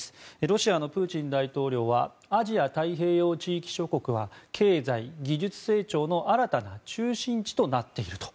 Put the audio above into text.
ロシアのプーチン大統領はアジア太平洋地域諸国は経済・技術成長の新たな中心地となっている。